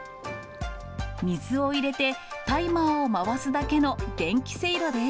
水を入れてタイマーを回すだけの電気せいろです。